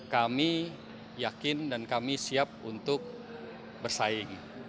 kami yakin dan kami siap untuk bersaing